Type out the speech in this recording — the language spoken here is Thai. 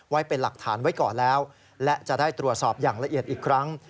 ไว้เป็นหลักฐานไว้ก่อนแล้วและจะได้ตรวจสอบอย่างละเอียดอีกครั้ง